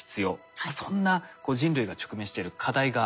そんな人類が直面している課題がありますよね。